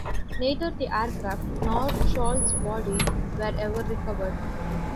Neither the aircraft nor Scholl's body were ever recovered.